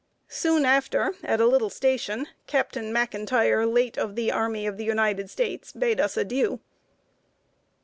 Soon after, at a little station, Captain McIntire, late of the Army of the United States, bade us adieu.